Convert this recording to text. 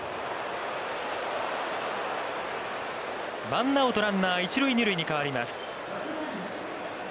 ワンアウト、ランナー一塁二塁に変わります。